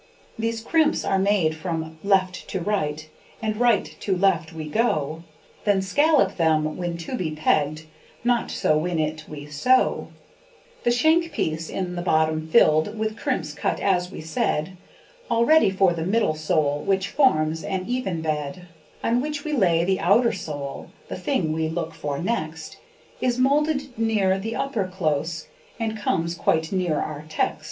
These crimps are made from left to right, And right to left we go; Then scallop them, when to be pegged, Not so when it we sew. The shank piece in, the bottom filled, With crimps cut as was said, Already for the middle sole, Which forms an even bed, On which we lay the outer sole; The thing we look for next, Is moulded near the upper close, And comes quite near our text.